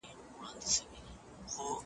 دا کار تر هغه بل کار ستونزمن دی.